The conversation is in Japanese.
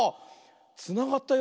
つながったよ